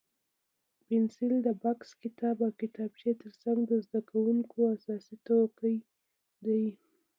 پنسل د بکس، کتاب او کتابچې تر څنګ د زده کوونکو اساسي توکي دي.